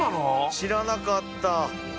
知らなかった。